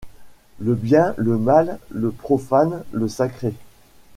Le bien, le mal, le profane, le sacré. ..